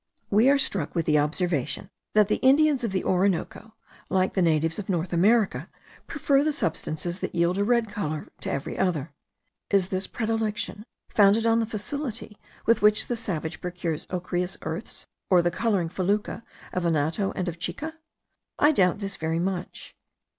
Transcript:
We are struck with the observation, that the Indians of the Orinoco, like the natives of North America, prefer the substances that yield a red colour to every other. Is this predilection founded on the facility with which the savage procures ochreous earths, or the colouring fecula of anato and of chica? I doubt this much.